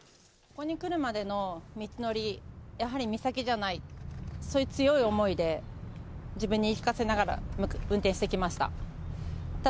ここに来るまでの道のり、やはり美咲じゃない、そういう強い思いで、自分に言い聞かせながら、運転してきました。